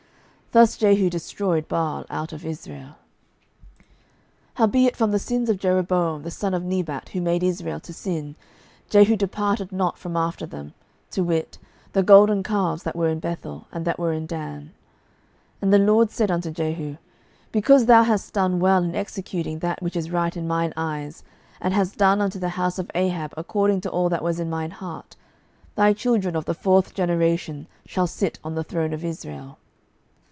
12:010:028 Thus Jehu destroyed Baal out of Israel. 12:010:029 Howbeit from the sins of Jeroboam the son of Nebat, who made Israel to sin, Jehu departed not from after them, to wit, the golden calves that were in Bethel, and that were in Dan. 12:010:030 And the LORD said unto Jehu, Because thou hast done well in executing that which is right in mine eyes, and hast done unto the house of Ahab according to all that was in mine heart, thy children of the fourth generation shall sit on the throne of Israel.